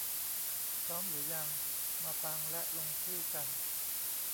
พร้อมหรือยัง ! มาฟังและลงชื่อกัน